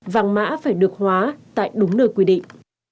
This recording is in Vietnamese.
vàng mã phải được hóa tại đúng nơi quy định